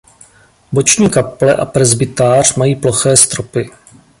Boční kaple a presbytář mají ploché stropy.